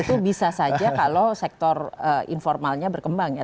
itu bisa saja kalau sektor informalnya berkembang ya